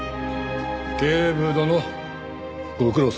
警部殿ご苦労さまでした。